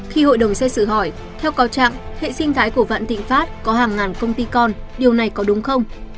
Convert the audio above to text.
khi hội đồng xây xử hỏi theo cáo trạng hệ sinh thái của vạn tịnh phát có hàng ngàn công ty con điều này có đúng không